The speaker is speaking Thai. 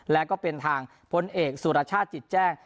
และก็เป็นทางพลเอกสุรชาติจิตแจ้ง